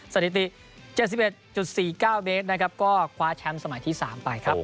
สถิติ๗๑๔๙เมตรนะครับก็คว้าแชมป์สมัยที่๓ไปครับ